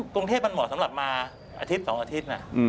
กรุงเทพมันเหมาะสำหรับมาอาทิตย์๒อาทิตย์